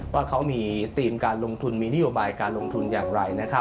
ว่าเขามีธีมการลงทุนมีนโยบายการลงทุนอย่างไร